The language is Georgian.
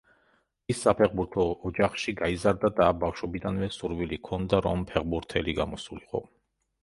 ის საფეხბურთო ოჯახში გაიზარდა და ბავშვობიდანვე სურვილი ჰქონდა, რომ ფეხბურთელი გამოსულიყო.